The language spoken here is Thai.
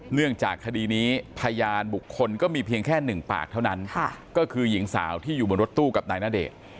เนื่องจากคดีนี้พยานบุคคลก็มีเพียงแค่หนึ่งปากเท่านั้นก็คือหญิงสาวที่อยู่บนรถตู้กับนายณเดชน์